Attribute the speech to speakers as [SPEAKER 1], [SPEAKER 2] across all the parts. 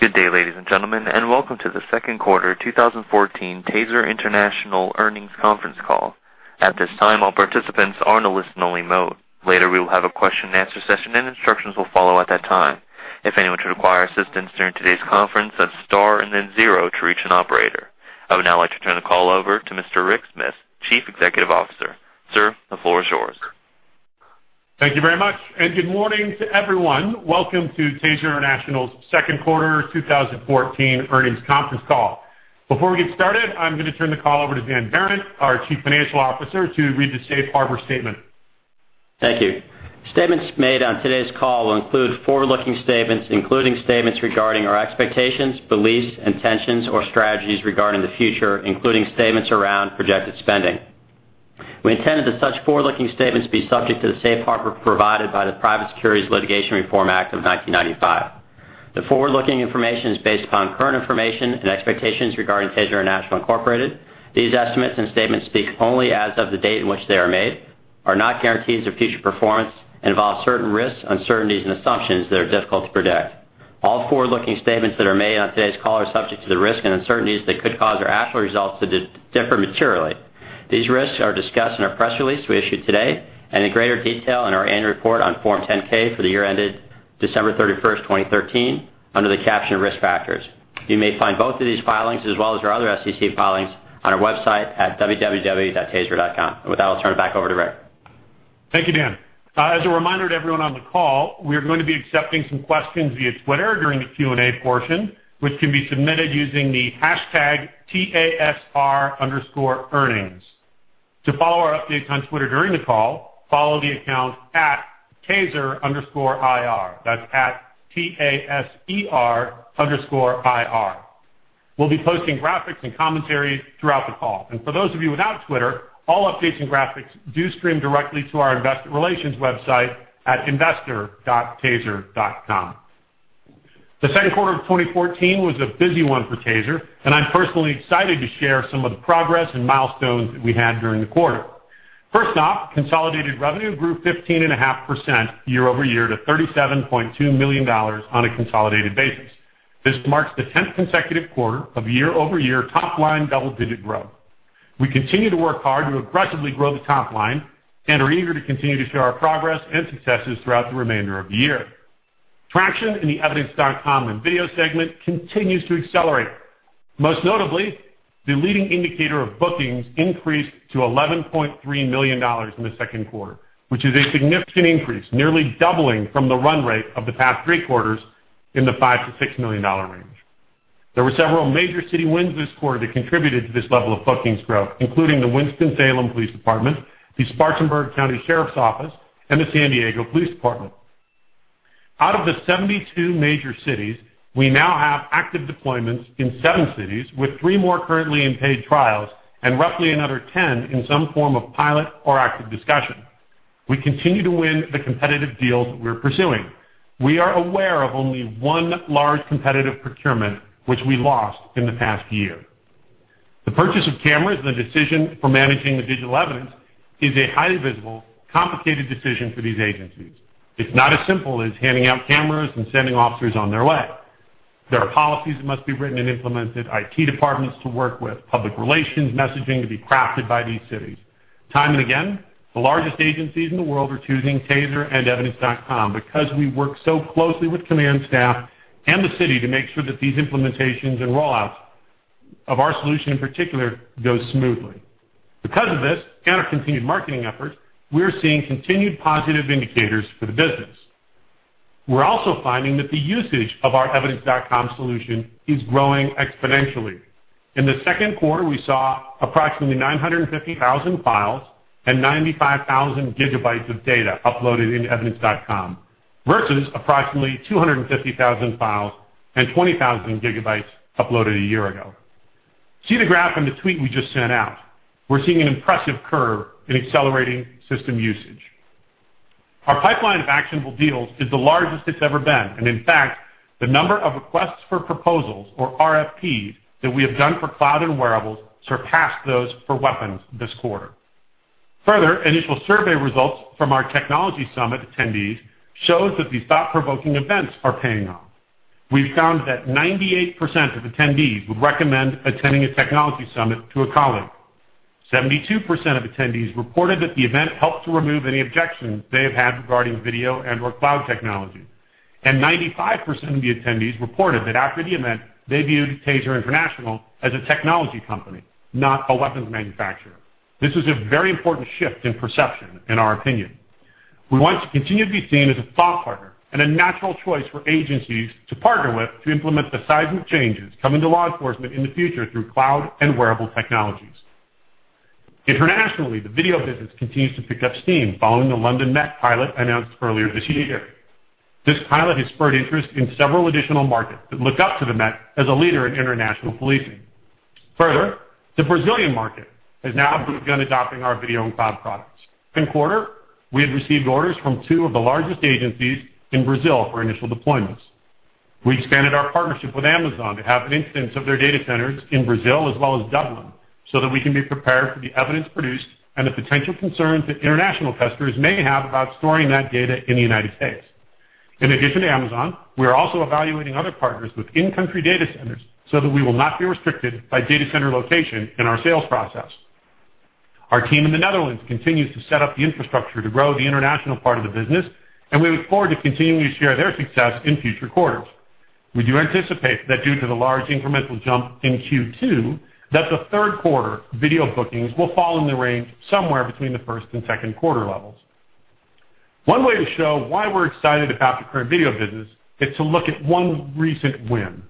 [SPEAKER 1] Good day, ladies and gentlemen, and welcome to the second quarter 2014 TASER International earnings conference call. At this time, all participants are in a listen only mode. Later, we will have a question and answer session, and instructions will follow at that time. If anyone should require assistance during today's conference, hit star and then zero to reach an operator. I would now like to turn the call over to Mr. Rick Smith, Chief Executive Officer. Sir, the floor is yours.
[SPEAKER 2] Thank you very much, good morning to everyone. Welcome to TASER International's second quarter 2014 earnings conference call. Before we get started, I'm going to turn the call over to Dan Behrendt, our Chief Financial Officer, to read the Safe Harbor statement.
[SPEAKER 3] Thank you. Statements made on today's call will include forward-looking statements, including statements regarding our expectations, beliefs, intentions, or strategies regarding the future, including statements around projected spending. We intend that such forward-looking statements be subject to the safe harbor provided by the Private Securities Litigation Reform Act of 1995. The forward-looking information is based upon current information and expectations regarding TASER International, Inc.. These estimates and statements speak only as of the date in which they are made, are not guarantees of future performance, and involve certain risks, uncertainties, and assumptions that are difficult to predict. All forward-looking statements that are made on today's call are subject to the risks and uncertainties that could cause our actual results to differ materially. These risks are discussed in our press release we issued today and in greater detail in our annual report on Form 10-K for the year ended December 31st, 2013, under the caption Risk Factors. You may find both of these filings, as well as our other SEC filings, on our website at www.taser.com. With that, I'll turn it back over to Rick.
[SPEAKER 2] Thank you, Dan. As a reminder to everyone on the call, we are going to be accepting some questions via Twitter during the Q&A portion, which can be submitted using the hashtag TASR_earnings. To follow our updates on Twitter during the call, follow the account @taser_ir. That's at T-A-S-E-R underscore I-R. We'll be posting graphics and commentary throughout the call. For those of you without Twitter, all updates and graphics do stream directly to our investor relations website at investor.taser.com. The second quarter of 2014 was a busy one for TASER, and I'm personally excited to share some of the progress and milestones that we had during the quarter. First off, consolidated revenue grew 15.5% year-over-year to $37.2 million on a consolidated basis. This marks the 10th consecutive quarter of year-over-year top line double-digit growth. We continue to work hard to aggressively grow the top line and are eager to continue to share our progress and successes throughout the remainder of the year. Traction in the EVIDENCE.com and video segment continues to accelerate. Most notably, the leading indicator of bookings increased to $11.3 million in the second quarter, which is a significant increase, nearly doubling from the run rate of the past three quarters in the $5 million-$6 million range. There were several major city wins this quarter that contributed to this level of bookings growth, including the Winston-Salem Police Department, the Spartanburg County Sheriff's Office, and the San Diego Police Department. Out of the 72 major cities, we now have active deployments in seven cities, with three more currently in paid trials and roughly another 10 in some form of pilot or active discussion. We continue to win the competitive deals we're pursuing. We are aware of only one large competitive procurement which we lost in the past year. The purchase of cameras and the decision for managing the digital evidence is a highly visible, complicated decision for these agencies. It's not as simple as handing out cameras and sending officers on their way. There are policies that must be written and implemented, IT departments to work with, public relations messaging to be crafted by these cities. Time and again, the largest agencies in the world are choosing TASER and EVIDENCE.com because we work so closely with command staff and the city to make sure that these implementations and rollouts of our solution in particular go smoothly. Because of this and our continued marketing efforts, we're seeing continued positive indicators for the business. We're also finding that the usage of our EVIDENCE.com solution is growing exponentially. In the second quarter, we saw approximately 950,000 files and 95,000 gigabytes of data uploaded into EVIDENCE.com versus approximately 250,000 files and 20,000 gigabytes uploaded a year ago. See the graph in the tweet we just sent out. We're seeing an impressive curve in accelerating system usage. Our pipeline of actionable deals is the largest it's ever been, and in fact, the number of requests for proposals or RFPs that we have done for cloud and wearables surpassed those for weapons this quarter. Further, initial survey results from our technology summit attendees shows that these thought-provoking events are paying off. We found that 98% of attendees would recommend attending a technology summit to a colleague. 72% of attendees reported that the event helped to remove any objections they have had regarding video and/or cloud technology, 95% of the attendees reported that after the event, they viewed TASER International as a technology company, not a weapons manufacturer. This is a very important shift in perception in our opinion. We want to continue to be seen as a thought partner and a natural choice for agencies to partner with to implement the seismic changes coming to law enforcement in the future through cloud and wearable technologies. Internationally, the video business continues to pick up steam following the London Met pilot announced earlier this year. This pilot has spurred interest in several additional markets that look up to the Met as a leader in international policing. The Brazilian market has now begun adopting our video and cloud products. In the second quarter, we have received orders from two of the largest agencies in Brazil for initial deployments. We expanded our partnership with Amazon to have an instance of their data centers in Brazil as well as Dublin, so that we can be prepared for the evidence produced and the potential concerns that international customers may have about storing that data in the U.S. In addition to Amazon, we are also evaluating other partners with in-country data centers so that we will not be restricted by data center location in our sales process. Our team in the Netherlands continues to set up the infrastructure to grow the international part of the business, we look forward to continuing to share their success in future quarters. We do anticipate that due to the large incremental jump in Q2, that the third quarter video bookings will fall in the range somewhere between the first and second quarter levels. One way to show why we're excited about the current video business is to look at one recent win.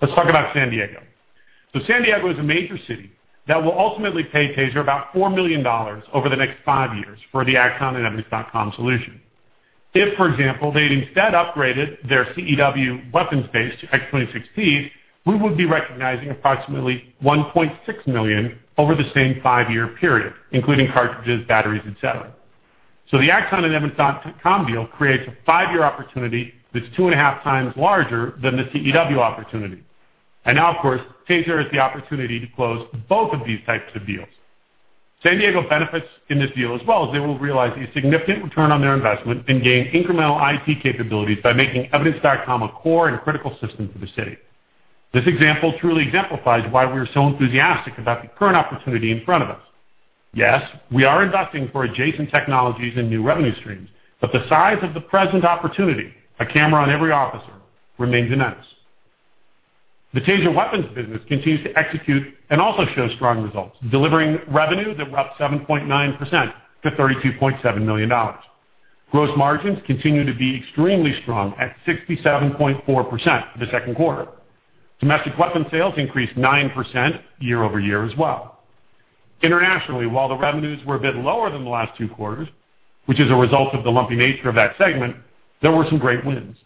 [SPEAKER 2] Let's talk about San Diego. San Diego is a major city that will ultimately pay Taser about $4 million over the next five years for the Axon and EVIDENCE.com solution. If, for example, they'd instead upgraded their CEW weapons base to X26Ps, we would be recognizing approximately $1.6 million over the same five-year period, including cartridges, batteries, et cetera. The Axon and EVIDENCE.com deal creates a five-year opportunity that's two and a half times larger than the CEW opportunity. Now, of course, Taser has the opportunity to close both of these types of deals. San Diego benefits in this deal as well, as they will realize a significant return on their investment and gain incremental IT capabilities by making EVIDENCE.com a core and critical system for the city. This example truly exemplifies why we are so enthusiastic about the current opportunity in front of us. Yes, we are investing for adjacent technologies and new revenue streams, but the size of the present opportunity, a camera on every officer, remains enormous. The Taser Weapons business continues to execute and also shows strong results, delivering revenue that were up 7.9% to $32.7 million. Gross margins continue to be extremely strong at 67.4% for the second quarter. Domestic weapon sales increased 9% year-over-year as well. Internationally, while the revenues were a bit lower than the last two quarters, which is a result of the lumpy nature of that segment, there were some great wins.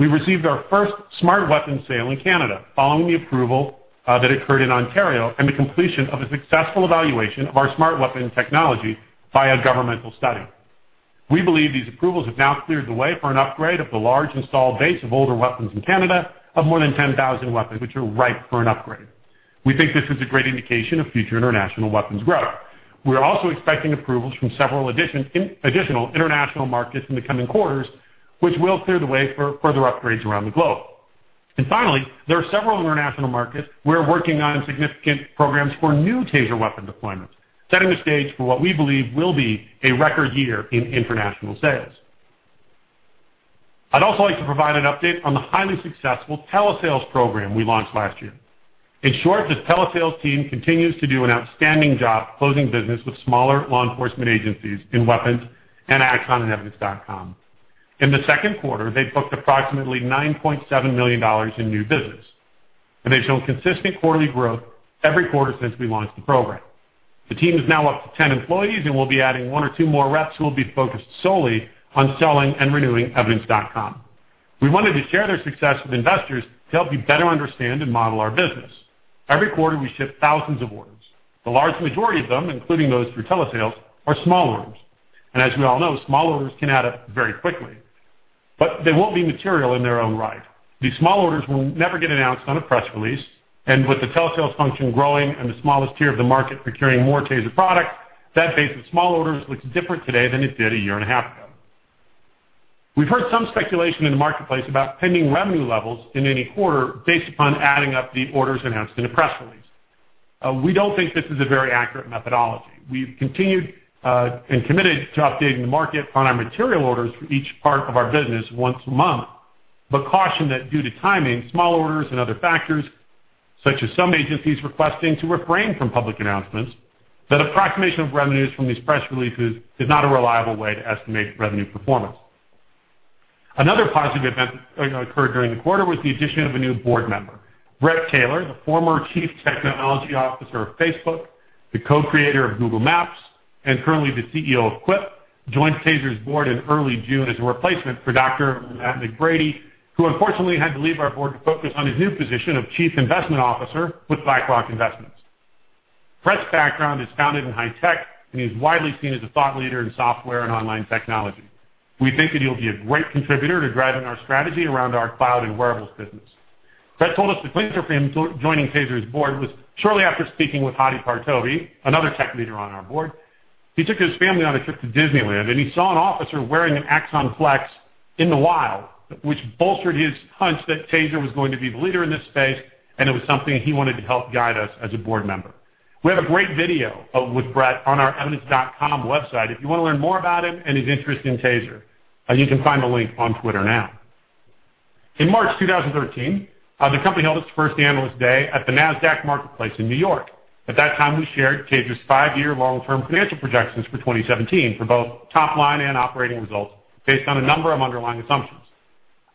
[SPEAKER 2] We received our first Smart Weapon sale in Canada following the approval that occurred in Ontario and the completion of a successful evaluation of our Smart Weapon technology by a governmental study. We believe these approvals have now cleared the way for an upgrade of the large installed base of older weapons in Canada of more than 10,000 weapons, which are ripe for an upgrade. We think this is a great indication of future international weapons growth. We're also expecting approvals from several additional international markets in the coming quarters, which will clear the way for further upgrades around the globe. Finally, there are several international markets we're working on significant programs for new TASER weapon deployments, setting the stage for what we believe will be a record year in international sales. I'd also like to provide an update on the highly successful telesales program we launched last year. In short, the telesales team continues to do an outstanding job closing business with smaller law enforcement agencies in weapons and Axon and EVIDENCE.com. In the second quarter, they booked approximately $9.7 million in new business, and they've shown consistent quarterly growth every quarter since we launched the program. The team is now up to 10 employees, and we'll be adding one or two more reps who will be focused solely on selling and renewing EVIDENCE.com. We wanted to share their success with investors to help you better understand and model our business. Every quarter, we ship thousands of orders. The large majority of them, including those through telesales, are small orders. As we all know, small orders can add up very quickly, but they won't be material in their own right. These small orders will never get announced on a press release. With the telesales function growing and the smallest tier of the market procuring more TASER products, that base of small orders looks different today than it did a year and a half ago. We've heard some speculation in the marketplace about pending revenue levels in any quarter based upon adding up the orders announced in a press release. We don't think this is a very accurate methodology. We've continued, committed to updating the market on our material orders for each part of our business once a month, but caution that due to timing, small orders and other factors, such as some agencies requesting to refrain from public announcements, that approximation of revenues from these press releases is not a reliable way to estimate revenue performance. Another positive event that occurred during the quarter was the addition of a new board member. Bret Taylor, the former chief technology officer of Facebook, the co-creator of Google Maps, and currently the CEO of Quip, joined TASER's board in early June as a replacement for Dr. Matt McBrady, who unfortunately had to leave our board to focus on his new position of chief investment officer with BlackRock. Bret's background is founded in high tech. He's widely seen as a thought leader in software and online technology. We think that he'll be a great contributor to driving our strategy around our cloud and wearables business. Bret told us the clincher for him joining TASER's board was shortly after speaking with Hadi Partovi, another tech leader on our board. He took his family on a trip to Disneyland, and he saw an officer wearing an Axon Flex in the wild, which bolstered his hunch that TASER was going to be the leader in this space, and it was something he wanted to help guide us as a board member. We have a great video with Bret on our evidence.com website. If you want to learn more about him and his interest in TASER, you can find the link on Twitter now. In March 2013, the company held its first Analyst Day at the Nasdaq marketplace in New York. At that time, we shared TASER's five-year long-term financial projections for 2017 for both top line and operating results based on a number of underlying assumptions.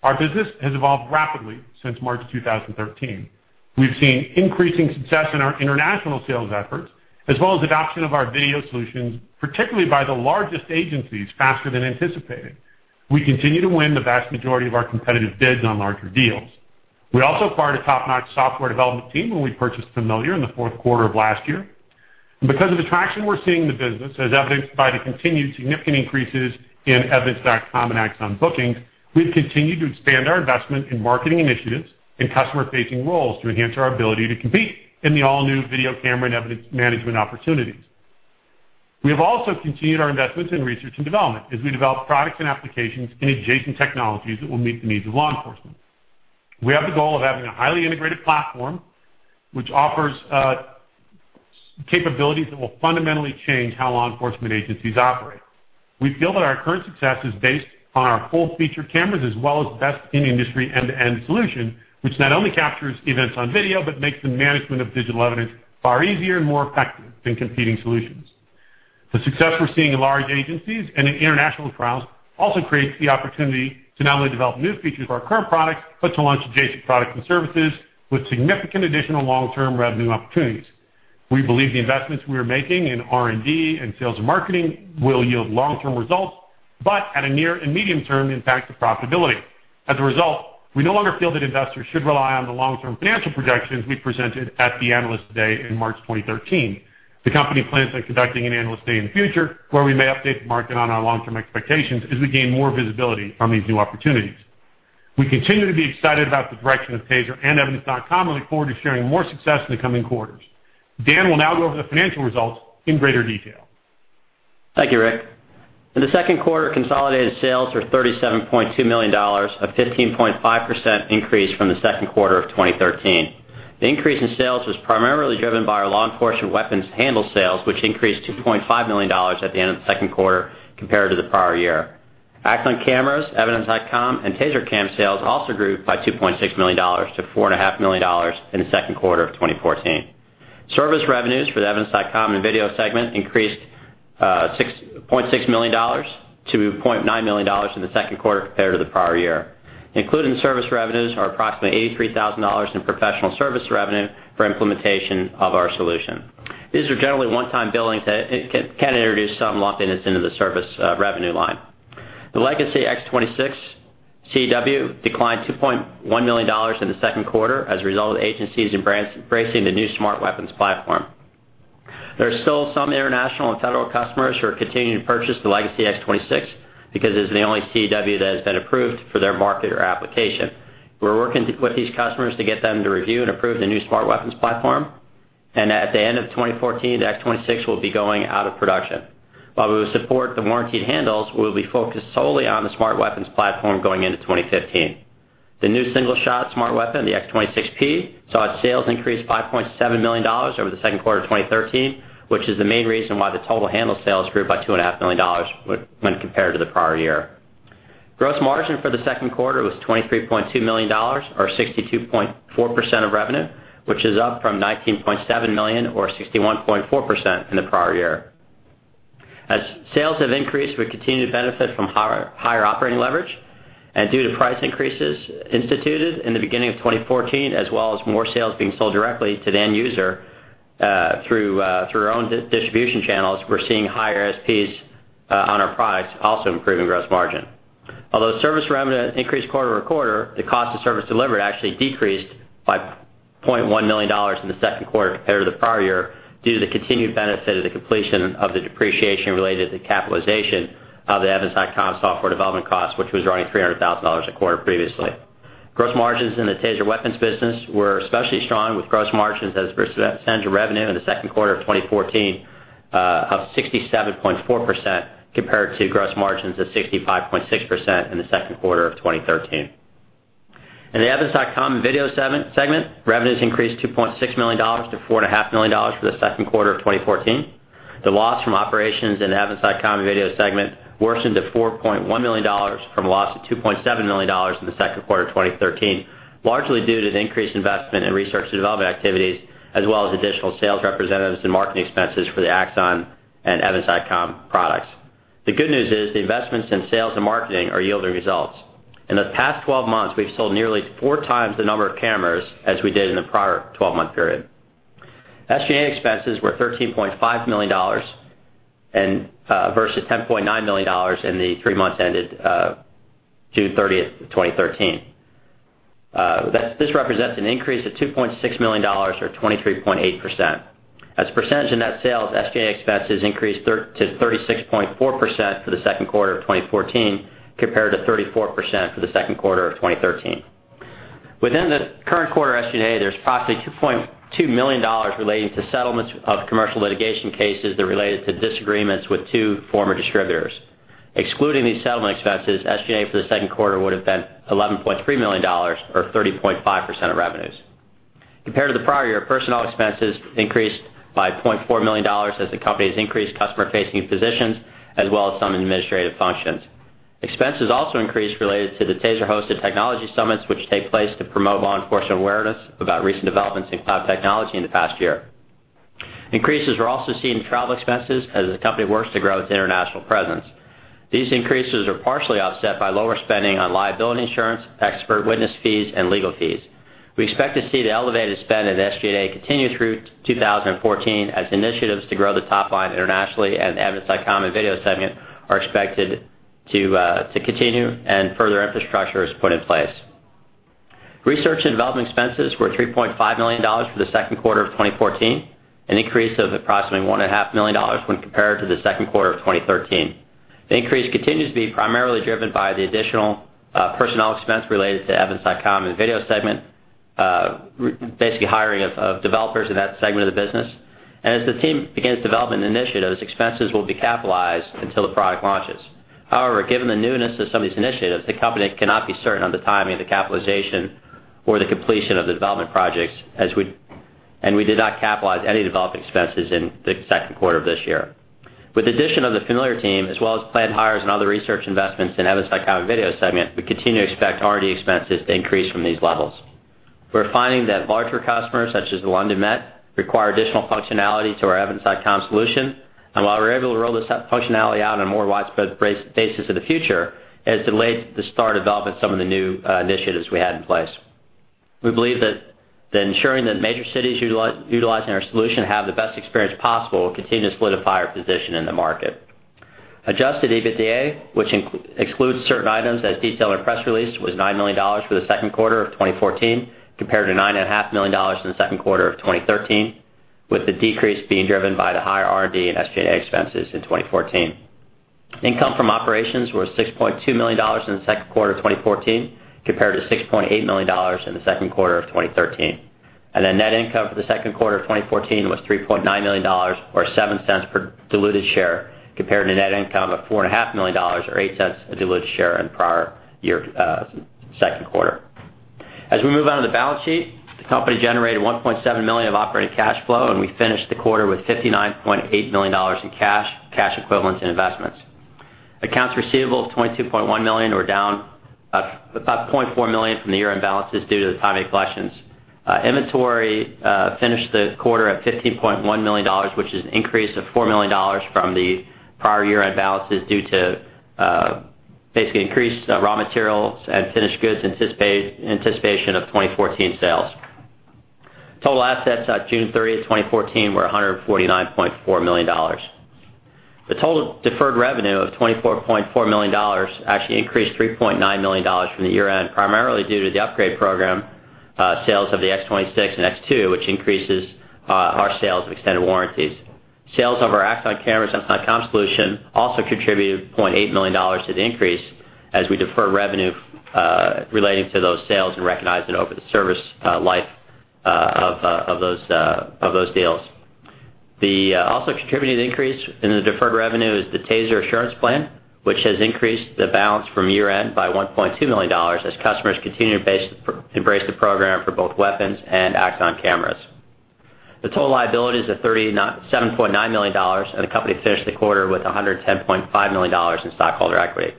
[SPEAKER 2] Our business has evolved rapidly since March 2013. We've seen increasing success in our international sales efforts, as well as adoption of our video solutions, particularly by the largest agencies, faster than anticipated. We continue to win the vast majority of our competitive bids on larger deals. We also acquired a top-notch software development team when we purchased Familiar in the fourth quarter of last year. Because of the traction we're seeing in the business, as evidenced by the continued significant increases in evidence.com and AXON bookings, we've continued to expand our investment in marketing initiatives and customer-facing roles to enhance our ability to compete in the all-new video camera and evidence management opportunities. We have also continued our investments in research and development as we develop products and applications in adjacent technologies that will meet the needs of law enforcement. We have the goal of having a highly integrated platform, which offers capabilities that will fundamentally change how law enforcement agencies operate. We feel that our current success is based on our full feature cameras, as well as best-in-industry end-to-end solution, which not only captures events on video, but makes the management of digital evidence far easier and more effective than competing solutions. The success we're seeing in large agencies and in international trials also creates the opportunity to not only develop new features for our current products, but to launch adjacent products and services with significant additional long-term revenue opportunities. We believe the investments we are making in R&D and sales and marketing will yield long-term results, but at a near and medium term, impact the profitability. As a result, we no longer feel that investors should rely on the long-term financial projections we presented at the Analyst Day in March 2013. The company plans on conducting an Analyst Day in the future, where we may update the market on our long-term expectations as we gain more visibility on these new opportunities. We continue to be excited about the direction of TASER and evidence.com and look forward to sharing more success in the coming quarters. Dan will now go over the financial results in greater detail.
[SPEAKER 3] Thank you, Rick. In the second quarter, consolidated sales were $37.2 million, a 15.5% increase from the second quarter of 2013. The increase in sales was primarily driven by our law enforcement weapons handle sales, which increased to $2.5 million at the end of the second quarter compared to the prior year. AXON cameras, EVIDENCE.com, and TASER CAM sales also grew by $2.6 million to $4.5 million in the second quarter of 2014. Service revenues for the EVIDENCE.com and Video segment increased $0.6 million to $0.9 million in the second quarter compared to the prior year. Included in service revenues are approximately $83,000 in professional service revenue for implementation of our solution. These are generally one-time billings that can introduce some lumpiness into the service revenue line. The legacy TASER X26 CEW declined $2.1 million in the second quarter as a result of agencies embracing the new Smart Weapons platform. There are still some international and federal customers who are continuing to purchase the legacy TASER X26, because it is the only CEW that has been approved for their market or application. We're working with these customers to get them to review and approve the new Smart Weapons platform. At the end of 2014, the TASER X26 will be going out of production. While we will support the warrantied handles, we'll be focused solely on the Smart Weapons platform going into 2015. The new single-shot Smart Weapon, the TASER X26P, saw its sales increase $5.7 million over the second quarter of 2013, which is the main reason why the total handle sales grew by $2.5 million when compared to the prior year. Gross margin for the second quarter was $23.2 million or 62.4% of revenue, which is up from $19.7 million or 61.4% in the prior year. As sales have increased, we continue to benefit from higher operating leverage. Due to price increases instituted in the beginning of 2014, as well as more sales being sold directly to the end user through our own distribution channels, we're seeing higher ASPs on our products also improving gross margin. Although service revenue increased quarter-over-quarter, the cost of service delivered actually decreased by $0.1 million in the second quarter compared to the prior year due to the continued benefit of the completion of the depreciation related to the capitalization of the EVIDENCE.com software development cost, which was around $300,000 a quarter previously. Gross margins in the TASER weapons business were especially strong, with gross margins as a percent of revenue in the second quarter of 2014 up 67.4%, compared to gross margins of 65.6% in the second quarter of 2013. In the EVIDENCE.com and Video segment, revenues increased $2.6 million to $4.5 million for the second quarter of 2014. The loss from operations in the EVIDENCE.com and Video segment worsened to $4.1 million from a loss of $2.7 million in the second quarter of 2013, largely due to the increased investment in research and development activities, as well as additional sales representatives and marketing expenses for the AXON and EVIDENCE.com products. The good news is the investments in sales and marketing are yielding results. In the past 12 months, we've sold nearly four times the number of cameras as we did in the prior 12-month period. SG&A expenses were $13.5 million versus $10.9 million in the three months ended June 30th, 2013. This represents an increase of $2.6 million or 23.8%. As a percentage of net sales, SG&A expenses increased to 36.4% for the second quarter of 2014 compared to 34% for the second quarter of 2013. Within the current quarter SG&A, there's approximately $2.2 million relating to settlements of commercial litigation cases that related to disagreements with two former distributors. Excluding these settlement expenses, SG&A for the second quarter would've been $11.3 million or 30.5% of revenues. Compared to the prior year, personnel expenses increased by $0.4 million as the company has increased customer-facing positions as well as some administrative functions. Expenses also increased related to the TASER-hosted technology summits, which take place to promote law enforcement awareness about recent developments in cloud technology in the past year. Increases were also seen in travel expenses as the company works to grow its international presence. These increases are partially offset by lower spending on liability insurance, expert witness fees, and legal fees. We expect to see the elevated spend in the SG&A continue through 2014 as initiatives to grow the top line internationally and the EVIDENCE.com and video segment are expected to continue and further infrastructure is put in place. Research and development expenses were $3.5 million for the second quarter of 2014, an increase of approximately $1.5 million when compared to the second quarter of 2013. The increase continues to be primarily driven by the additional personnel expense related to EVIDENCE.com and the video segment, basically hiring of developers in that segment of the business. As the team begins development initiatives, expenses will be capitalized until the product launches. However, given the newness of some of these initiatives, the company cannot be certain of the timing of the capitalization or the completion of the development projects, and we did not capitalize any development expenses in the second quarter of this year. With the addition of the Familiar team, as well as planned hires and other research investments in EVIDENCE.com and video segment, we continue to expect R&D expenses to increase from these levels. We're finding that larger customers, such as the London Met, require additional functionality to our EVIDENCE.com solution. While we're able to roll this functionality out on a more widespread basis in the future, it has delayed the start of development of some of the new initiatives we had in place. We believe that ensuring that major cities utilizing our solution have the best experience possible will continue to solidify our position in the market. Adjusted EBITDA, which excludes certain items as detailed in our press release, was $9 million for the second quarter of 2014 compared to $9.5 million in the second quarter of 2013, with the decrease being driven by the higher R&D and SG&A expenses in 2014. Income from operations was $6.2 million in the second quarter of 2014 compared to $6.8 million in the second quarter of 2013. The net income for the second quarter of 2014 was $3.9 million, or $0.07 per diluted share, compared to net income of $4.5 million or $0.08 of diluted share in prior year second quarter. As we move on to the balance sheet, the company generated $1.7 million of operating cash flow, and we finished the quarter with $59.8 million in cash equivalents, and investments. Accounts receivable of $22.1 million were down about $0.4 million from the year-end balances due to the timing of collections. Inventory finished the quarter at $15.1 million, which is an increase of $4 million from the prior year-end balances due to basically increased raw materials and finished goods in anticipation of 2014 sales. Total assets at June 30, 2014, were $149.4 million. The total deferred revenue of $24.4 million actually increased $3.9 million from the year-end, primarily due to the upgrade program sales of the X26 and X2, which increases our sales of extended warranties. Sales of our Axon cameras and EVIDENCE.com solution also contributed $0.8 million to the increase as we defer revenue relating to those sales and recognize it over the service life of those deals. Also contributing to the increase in the deferred revenue is the TASER Assurance Plan, which has increased the balance from year-end by $1.2 million as customers continue to embrace the program for both weapons and Axon cameras. The total liabilities are $37.9 million. The company finished the quarter with $110.5 million in stockholder equity.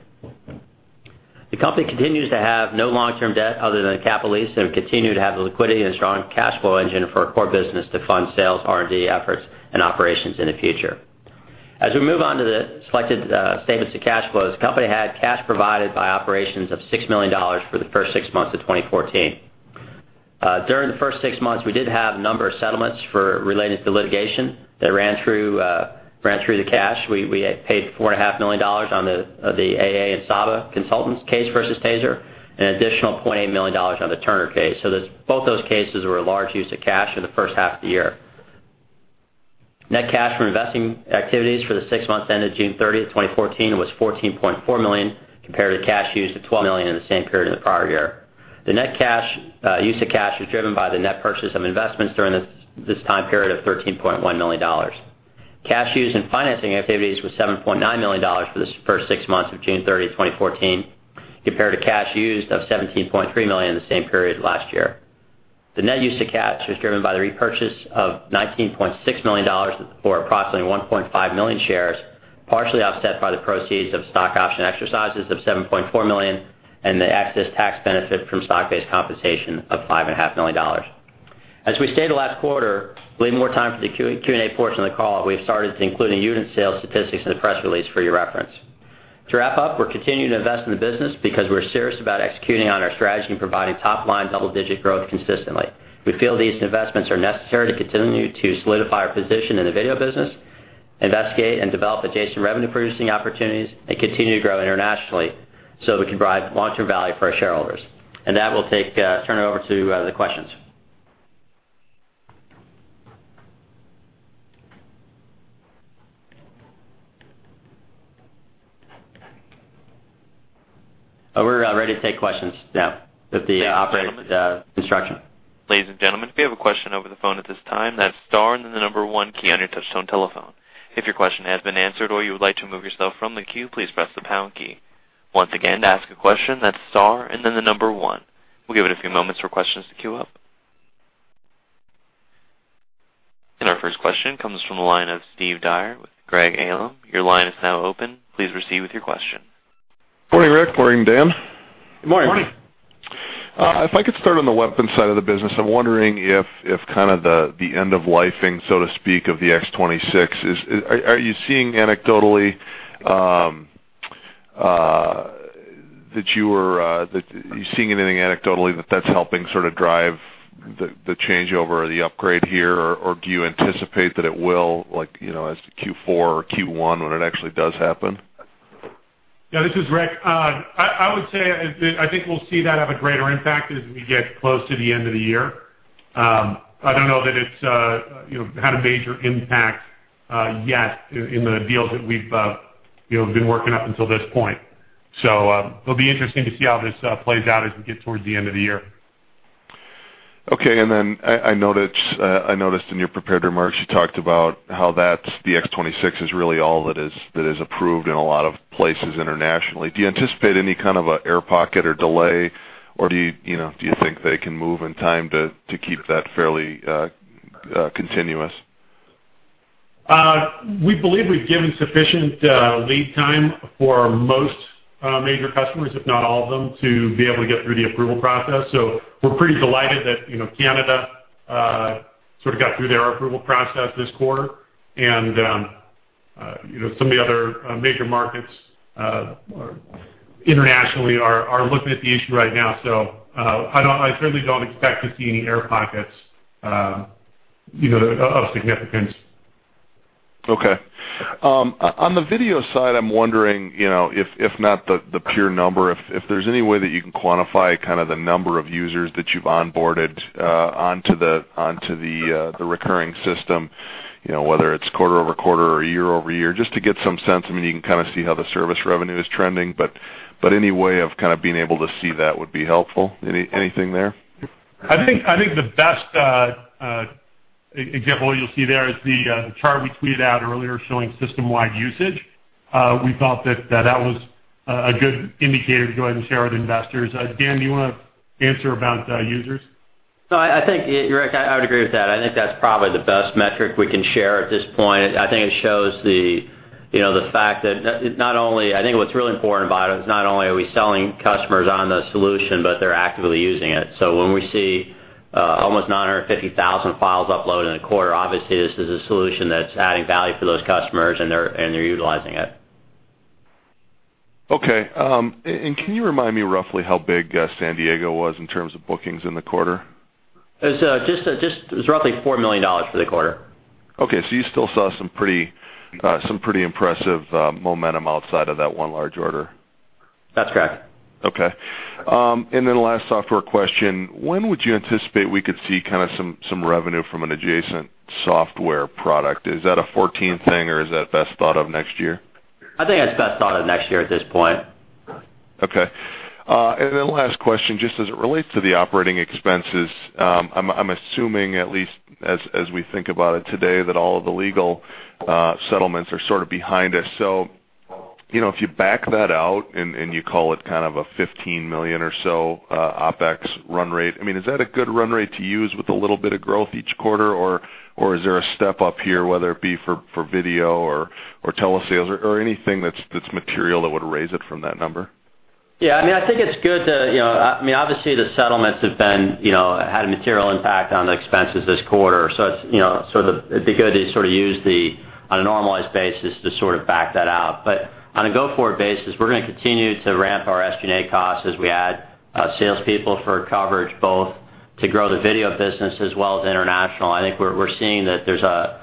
[SPEAKER 3] The company continues to have no long-term debt other than a capital lease and will continue to have the liquidity and strong cash flow engine for our core business to fund sales, R&D efforts, and operations in the future. As we move on to the selected statements of cash flows, the company had cash provided by operations of $6 million for the first six months of 2014. During the first six months, we did have a number of settlements related to litigation that ran through the cash. We paid $4.5 million on the AA and Saba consultants case versus TASER, and an additional $0.8 million on the Turner case. Both those cases were a large use of cash in the first half of the year. Net cash from investing activities for the six months ended June 30, 2014, was $14.4 million, compared to cash used of $12 million in the same period in the prior year. The net use of cash was driven by the net purchase of investments during this time period of $13.1 million. Cash used in financing activities was $7.9 million for the first six months of June 30, 2014, compared to cash used of $17.3 million in the same period last year. The net use of cash was driven by the repurchase of $19.6 million for approximately 1.5 million shares, partially offset by the proceeds of stock option exercises of $7.4 million and the excess tax benefit from stock-based compensation of $5.5 million. As we stated last quarter, to leave more time for the Q&A portion of the call, we've started to include unit sales statistics in the press release for your reference. To wrap up, we're continuing to invest in the business because we're serious about executing on our strategy and providing top-line, double-digit growth consistently. We feel these investments are necessary to continue to solidify our position in the video business, investigate and develop adjacent revenue-producing opportunities, and continue to grow internationally so we can provide long-term value for our shareholders. With that, we'll turn it over to the questions. We're ready to take questions now with the operator instruction.
[SPEAKER 1] Ladies and gentlemen, if you have a question over the phone at this time, that's * and then the number 1 key on your touch-tone telephone. If your question has been answered or you would like to remove yourself from the queue, please press the # key. Once again, to ask a question, that's * and then the number 1. We'll give it a few moments for questions to queue up. Our first question comes from the line of Steve Dyer with Craig-Hallum. Your line is now open. Please proceed with your question.
[SPEAKER 4] Morning, Rick. Morning, Dan.
[SPEAKER 3] Good morning.
[SPEAKER 4] Morning. If I could start on the weapons side of the business, I'm wondering if kind of the end of life-ing, so to speak, of the X26, are you seeing anecdotally that that's helping sort of drive the changeover or the upgrade here, or do you anticipate that it will as to Q4 or Q1 when it actually does happen?
[SPEAKER 2] Yeah, this is Rick. I would say, I think we'll see that have a greater impact as we get close to the end of the year. I don't know that it's had a major impact yet in the deals that we've been working up until this point. It'll be interesting to see how this plays out as we get towards the end of the year.
[SPEAKER 4] Okay. I noticed in your prepared remarks, you talked about how that the X26 is really all that is approved in a lot of places internationally. Do you anticipate any kind of an air pocket or delay, or do you think they can move in time to keep that fairly continuous?
[SPEAKER 2] We believe we've given sufficient lead time for most major customers, if not all of them, to be able to get through the approval process. We're pretty delighted that Canada sort of got through their approval process this quarter. Some of the other major markets internationally are looking at the issue right now. I certainly don't expect to see any air pockets of significance.
[SPEAKER 4] Okay. On the video side, I'm wondering, if not the pure number, if there's any way that you can quantify kind of the number of users that you've onboarded onto the recurring system, whether it's quarter-over-quarter or year-over-year, just to get some sense. I mean, you can kind of see how the service revenue is trending, any way of kind of being able to see that would be helpful. Anything there?
[SPEAKER 2] I think the best example you'll see there is the chart we tweeted out earlier showing system-wide usage. We thought that that was a good indicator to go ahead and share with investors. Dan, do you want to answer about users?
[SPEAKER 3] No, I think, Rick, I would agree with that. I think that's probably the best metric we can share at this point. I think what's really important about it is not only are we selling customers on the solution, they're actively using it. When we see almost 950,000 files uploaded in a quarter, obviously this is a solution that's adding value for those customers, and they're utilizing it.
[SPEAKER 4] Okay. Can you remind me roughly how big San Diego was in terms of bookings in the quarter?
[SPEAKER 3] It was roughly $4 million for the quarter.
[SPEAKER 4] Okay, you still saw some pretty impressive momentum outside of that one large order.
[SPEAKER 3] That's correct.
[SPEAKER 4] Okay. Last software question. When would you anticipate we could see some revenue from an adjacent software product? Is that a 2014 thing or is that best thought of next year?
[SPEAKER 3] I think that's best thought of next year at this point.
[SPEAKER 4] Okay. Last question, just as it relates to the operating expenses, I'm assuming at least as we think about it today, that all of the legal settlements are sort of behind us. If you back that out and you call it kind of a $15 million or so OpEx run rate, I mean, is that a good run rate to use with a little bit of growth each quarter, or is there a step-up here, whether it be for video or telesales or anything that's material that would raise it from that number?
[SPEAKER 3] I think it's good. Obviously the settlements have had a material impact on the expenses this quarter. It'd be good to sort of use the, on a normalized basis, to sort of back that out. On a go-forward basis, we're going to continue to ramp our SG&A costs as we add salespeople for coverage, both to grow the video business as well as international. I think we're seeing that there's a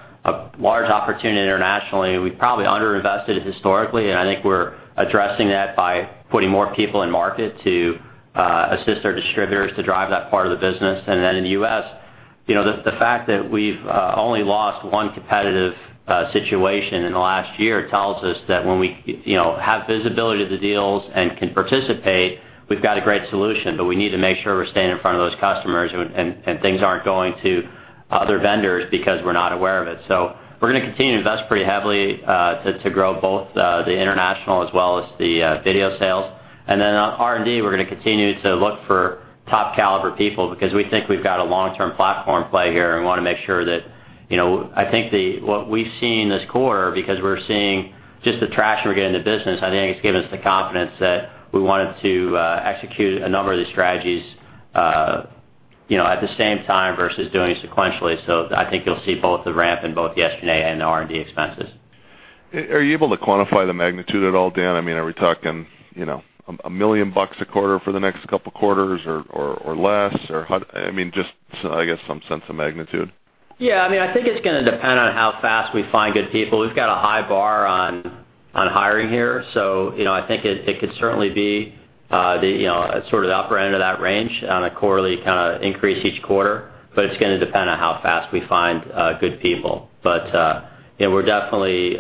[SPEAKER 3] large opportunity internationally. We probably under-invested historically, and I think we're addressing that by putting more people in market to assist our distributors to drive that part of the business. In the U.S., the fact that we've only lost one competitive situation in the last year tells us that when we have visibility to the deals and can participate, we've got a great solution, but we need to make sure we're staying in front of those customers, and things aren't going to other vendors because we're not aware of it. We're going to continue to invest pretty heavily, to grow both the international as well as the video sales. On R&D, we're going to continue to look for top-caliber people because we think we've got a long-term platform play here, and we want to make sure. I think what we've seen this quarter, because we're seeing just the traction we're getting in the business, I think it's given us the confidence that we wanted to execute a number of these strategies at the same time versus doing it sequentially. I think you'll see both the ramp in both the SG&A and the R&D expenses.
[SPEAKER 4] Are you able to quantify the magnitude at all, Dan? I mean, are we talking $1 million a quarter for the next couple of quarters or less or how. I mean, just I guess some sense of magnitude.
[SPEAKER 3] I think it's going to depend on how fast we find good people. We've got a high bar on hiring here, I think it could certainly be the sort of upper end of that range on a quarterly kind of increase each quarter. It's going to depend on how fast we find good people. We're definitely.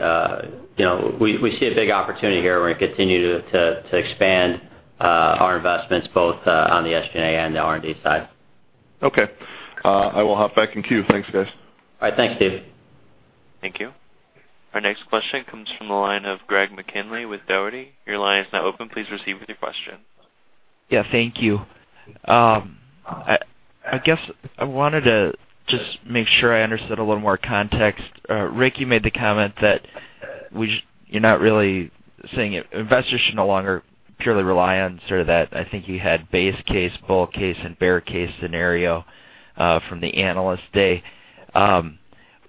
[SPEAKER 3] We see a big opportunity here and we're going to continue to expand our investments both on the SG&A and the R&D side.
[SPEAKER 4] Okay. I will hop back in queue. Thanks, guys.
[SPEAKER 3] All right. Thanks, Dave.
[SPEAKER 1] Thank you. Our next question comes from the line of Greg McKinley with Dougherty. Your line is now open. Please proceed with your question.
[SPEAKER 5] Yeah, thank you. I guess I wanted to just make sure I understood a little more context. Rick, you made the comment that you're not really saying investors should no longer purely rely on sort of that, I think you had base case, bull case, and bear case scenario, from the Analyst Day.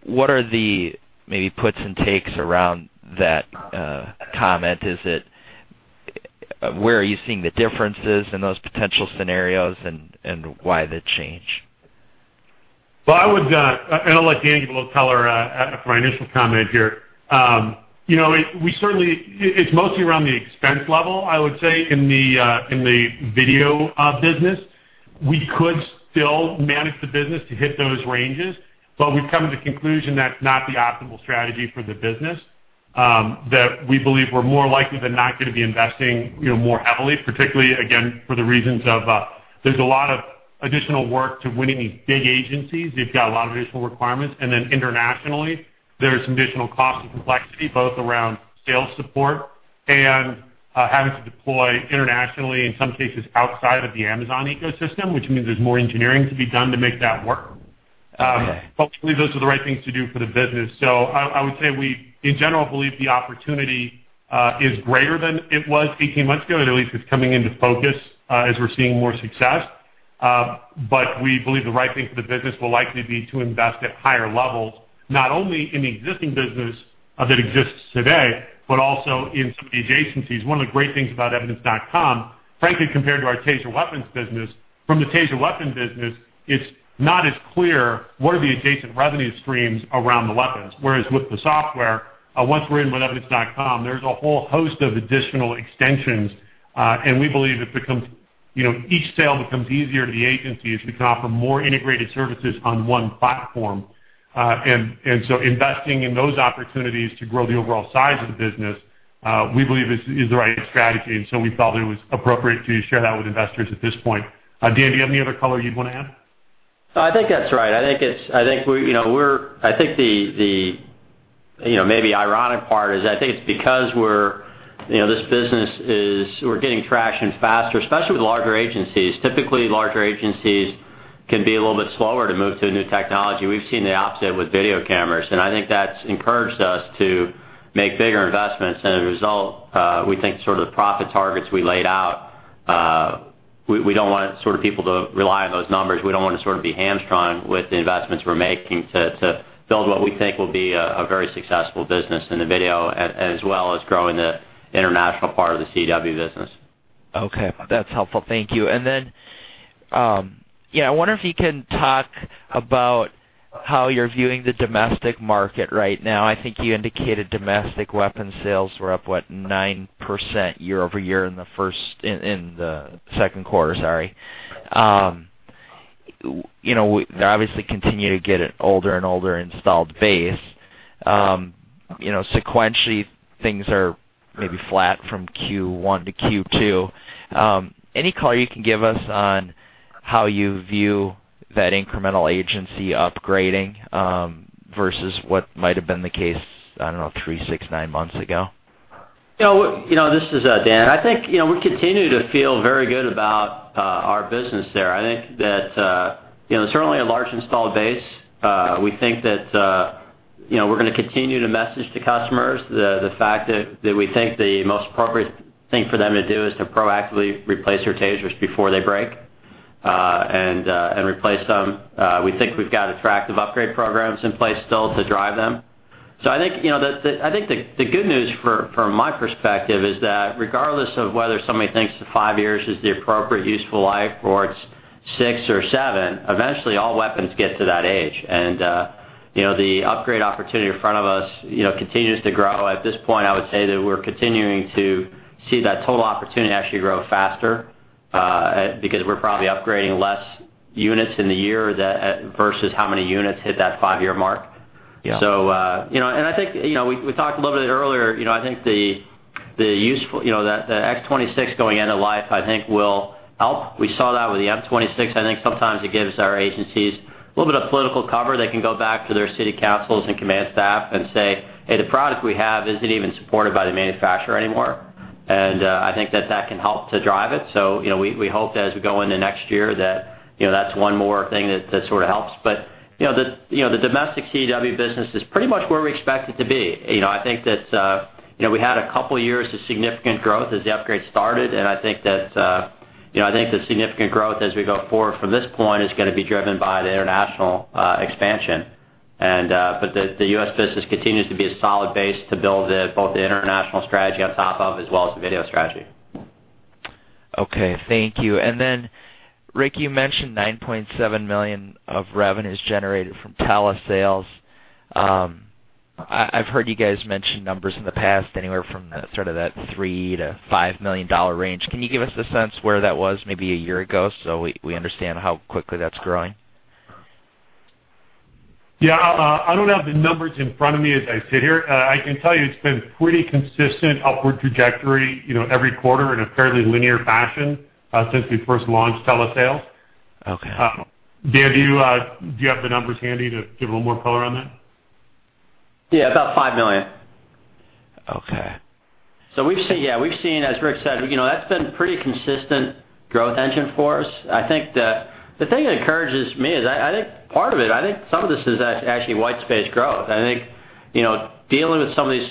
[SPEAKER 5] What are the maybe puts and takes around that comment? Where are you seeing the differences in those potential scenarios and why the change?
[SPEAKER 2] Well, I would, and I'll let Dan give a little color for my initial comment here. It's mostly around the expense level, I would say, in the video business. We could still manage the business to hit those ranges, but we've come to the conclusion that's not the optimal strategy for the business. We believe we're more likely than not going to be investing more heavily, particularly, again, for the reasons of, there's a lot of additional work to winning these big agencies. They've got a lot of additional requirements. Then internationally, there's some additional cost and complexity both around sales support and having to deploy internationally, in some cases, outside of the Amazon ecosystem, which means there's more engineering to be done to make that work.
[SPEAKER 5] Okay. We believe those are the right things to do for the business. I would say we, in general, believe the opportunity is greater than it was 18 months ago, and at least it's coming into focus as we're seeing more success. We believe the right thing for the business will likely be to invest at higher levels, not only in the existing business that exists today, but also in some of the adjacencies. One of the great things about EVIDENCE.com, frankly, compared to our TASER weapons business, from the TASER weapon business, it's not as clear what are the adjacent revenue streams around the weapons. Whereas with the software, once we're in with EVIDENCE.com, there's a whole host of additional extensions. We believe each sale becomes easier to the agency as we can offer more integrated services on one platform.
[SPEAKER 2] Investing in those opportunities to grow the overall size of the business, we believe is the right strategy. We felt it was appropriate to share that with investors at this point. Dan, do you have any other color you'd want to add?
[SPEAKER 3] I think that's right. I think the maybe ironic part is, I think it's because this business, we're gaining traction faster, especially with larger agencies. Typically, larger agencies can be a little bit slower to move to a new technology. We've seen the opposite with video cameras, and I think that's encouraged us to make bigger investments. A result, we think sort of profit targets we laid out, we don't want sort of people to rely on those numbers. We don't want to sort of be hamstrung with the investments we're making to build what we think will be a very successful business in the video, as well as growing the international part of the CEW business.
[SPEAKER 5] Okay. That's helpful. Thank you. Then, I wonder if you can talk about how you're viewing the domestic market right now. I think you indicated domestic weapons sales were up, what? 9% year-over-year in the second quarter. Obviously, continue to get older and older installed base. Sequentially, things are maybe flat from Q1 to Q2. Any color you can give us on how you view that incremental agency upgrading, versus what might have been the case, I don't know, three, six, nine months ago?
[SPEAKER 3] This is Dan. I think, we continue to feel very good about our business there. I think that, certainly a large installed base. We think that we're going to continue to message to customers the fact that we think the most appropriate thing for them to do is to proactively replace their TASERs before they break, and replace them. We think we've got attractive upgrade programs in place still to drive them. I think the good news from my perspective is that regardless of whether somebody thinks that five years is the appropriate useful life or it's six or seven, eventually all weapons get to that age. The upgrade opportunity in front of us continues to grow. At this point, I would say that we're continuing to see that total opportunity actually grow faster, because we're probably upgrading less units in the year versus how many units hit that five-year mark.
[SPEAKER 5] Yeah.
[SPEAKER 3] I think, we talked a little bit earlier, I think the X26 going into life, I think will help. We saw that with the M26. I think sometimes it gives our agencies a little bit of political cover. They can go back to their city councils and command staff and say, "Hey, the product we have isn't even supported by the manufacturer anymore." I think that that can help to drive it. We hope that as we go into next year that's one more thing that sort of helps. The domestic CEW business is pretty much where we expect it to be. I think that we had a couple years of significant growth as the upgrade started, the significant growth as we go forward from this point is going to be driven by the international expansion. The U.S. The U.S. business continues to be a solid base to build both the international strategy on top of, as well as the video strategy.
[SPEAKER 5] Okay, thank you. Rick, you mentioned $9.7 million of revenues generated from telesales. I've heard you guys mention numbers in the past, anywhere from sort of that $3 million-$5 million range. Can you give us a sense where that was maybe a year ago so we understand how quickly that's growing?
[SPEAKER 2] Yeah. I don't have the numbers in front of me as I sit here. I can tell you it's been pretty consistent upward trajectory every quarter in a fairly linear fashion since we first launched telesales.
[SPEAKER 5] Okay.
[SPEAKER 2] Dan, do you have the numbers handy to give a little more color on that?
[SPEAKER 3] Yeah, about $5 million.
[SPEAKER 5] Okay.
[SPEAKER 3] We've seen, as Rick said, that's been pretty consistent growth engine for us. The thing that encourages me is, part of it, some of this is actually white space growth. Dealing with some of these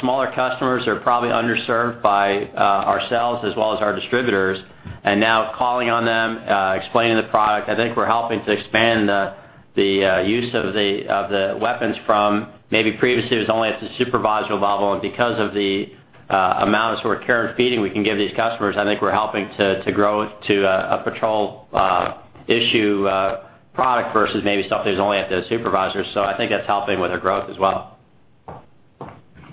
[SPEAKER 3] smaller customers are probably underserved by ourselves as well as our distributors. Now calling on them, explaining the product, we're helping to expand the use of the weapons from maybe previously it was only at the supervisor level, because of the amount of sort of care and feeding we can give these customers, we're helping to grow to a patrol issue product versus maybe stuff that's only at the supervisors. That's helping with our growth as well.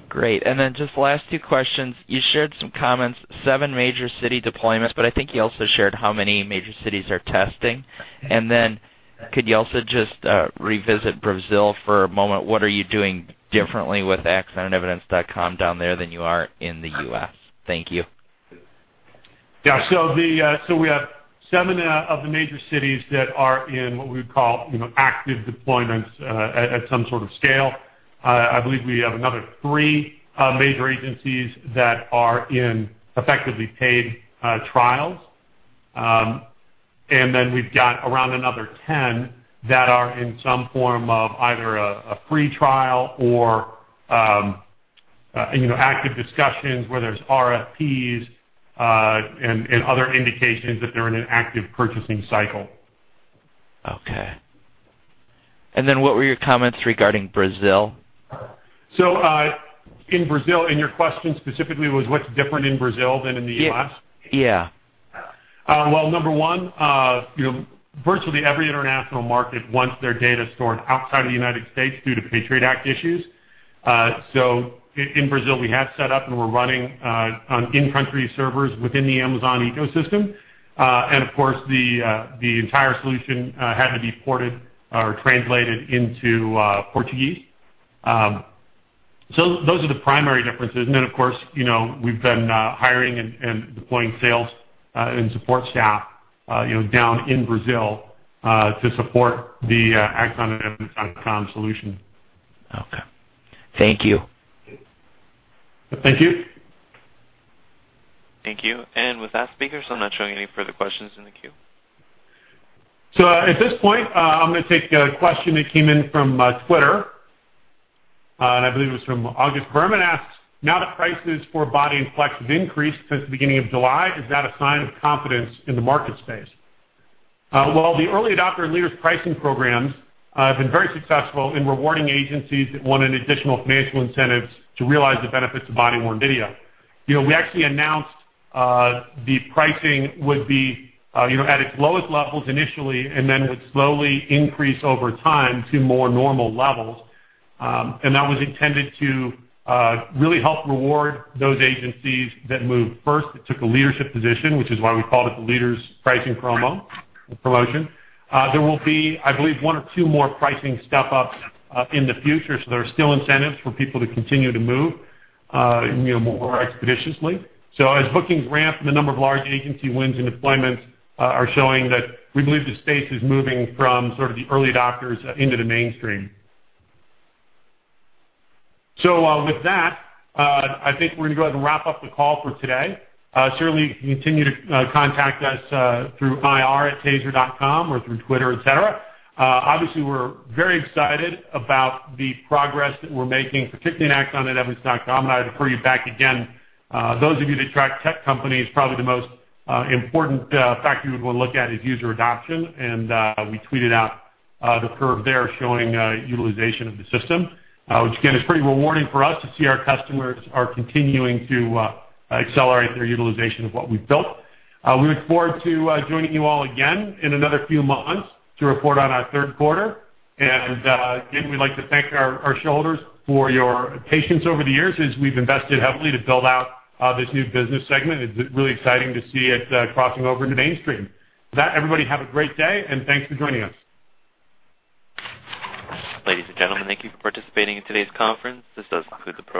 [SPEAKER 5] Great. Just last two questions. You shared some comments, 7 major city deployments, but you also shared how many major cities are testing. Could you also just revisit Brazil for a moment? What are you doing differently with AxonEvidence.com down there than you are in the U.S.? Thank you.
[SPEAKER 2] We have 7 of the major cities that are in what we would call active deployments at some sort of scale. I believe we have another 3 major agencies that are in effectively paid trials. We've got around another 10 that are in some form of either a free trial or active discussions where there's RFPs and other indications that they're in an active purchasing cycle.
[SPEAKER 5] Okay. What were your comments regarding Brazil?
[SPEAKER 2] In Brazil, and your question specifically was what's different in Brazil than in the U.S.?
[SPEAKER 5] Yeah.
[SPEAKER 2] Number one, virtually every international market wants their data stored outside of the United States due to Patriot Act issues. In Brazil, we have set up and we're running on in-country servers within the Amazon ecosystem. Of course, the entire solution had to be ported or translated into Portuguese. Those are the primary differences. Then, of course, we've been hiring and deploying sales and support staff down in Brazil, to support the AxonEvidence.com solution.
[SPEAKER 5] Okay. Thank you.
[SPEAKER 2] Thank you.
[SPEAKER 1] Thank you. With that, speakers, I'm not showing any further questions in the queue.
[SPEAKER 2] At this point, I'm going to take a question that came in from Twitter. I believe it was from August Berman, asks, "Now that prices for body and Axon Flex have increased since the beginning of July, is that a sign of confidence in the market space?" Well, the early adopter leaders pricing programs have been very successful in rewarding agencies that wanted additional financial incentives to realize the benefits of body-worn video. We actually announced the pricing would be at its lowest levels initially, and then would slowly increase over time to more normal levels. That was intended to really help reward those agencies that moved first. It took a leadership position, which is why we called it the leaders pricing promo or promotion. There will be, I believe, one or two more pricing step-ups in the future. There are still incentives for people to continue to move more expeditiously. As bookings ramp, the number of large agency wins and deployments are showing that we believe the space is moving from sort of the early adopters into the mainstream. With that, I think we're going to go ahead and wrap up the call for today. Certainly, you can continue to contact us through ir@taser.com or through Twitter, et cetera. Obviously, we're very excited about the progress that we're making, particularly in AxonEvidence.com. I'd refer you back again, those of you that track tech companies, probably the most important factor you would want to look at is user adoption. We tweeted out the curve there showing utilization of the system. Which again, is pretty rewarding for us to see our customers are continuing to accelerate their utilization of what we've built. We look forward to joining you all again in another few months to report on our third quarter. Again, we'd like to thank our shareholders for your patience over the years as we've invested heavily to build out this new business segment. It's really exciting to see it crossing over into mainstream. With that, everybody, have a great day, and thanks for joining us.
[SPEAKER 1] Ladies and gentlemen, thank you for participating in today's conference. This does conclude the program.